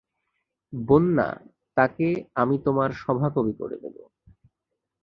বন্যা, তাকে আমি তোমার সভাকবি করে দেব।